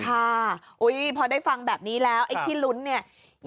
ค่ะพอได้ฟังแบบนี้แล้วไอ้ที่ลุ้นเนี่ย